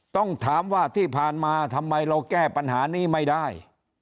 ต้องถามว่าที่ผ่านมาทำไมเราแก้ปัญหานี้ไม่ได้